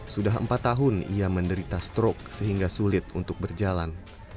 sudah empat tahun ia menderita strok sehingga sulit untuk berjalan